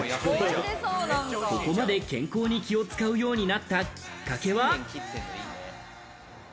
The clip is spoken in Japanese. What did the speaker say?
ここまで健康に気を使うようになったきっかけは？